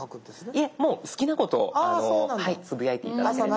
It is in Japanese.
もう好きなことをつぶやいて頂ければ。